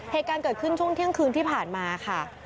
เหตุการณ์เกิดขึ้นช่วงเที่ยงคืนที่ผ่านมาค่ะ